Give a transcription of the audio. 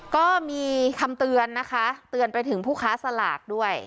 ก็มีคำเตือนนะคะเตือนไปถึงผู้ค้าสลากด้วย